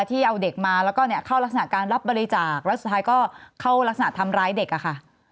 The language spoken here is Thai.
ที่เอาเด็กมาแล้วก็เข้ารักษณะการรับบริจาคแล้วสุดท้ายก็เข้ารักษณะทำร้ายเด็กอะค่ะ